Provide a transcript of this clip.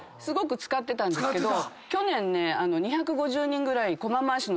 去年ね。